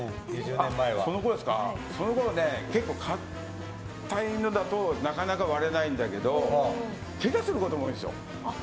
そのころは結構硬いのだとなかなか割れないんだけどけがすることも多いんですよ。